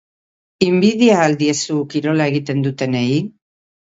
Inbidia al diezu kirola egiten dutenei?